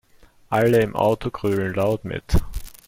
Alle im Auto grölen laut mit.